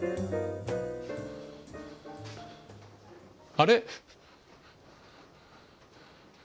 あれ？